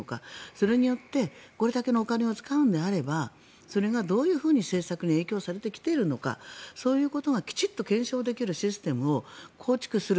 それによってこれだけのお金を使うのであればそれがどういうふうに政策に影響されてきているのかそういうことがきちんと検証できるシステムを構築する。